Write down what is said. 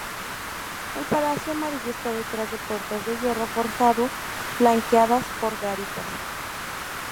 El palacio amarillo está detrás de puertas de hierro forjado, flanqueadas por garitas.